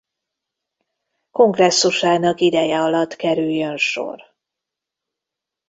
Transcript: Kongresszusának ideje alatt kerüljön sor.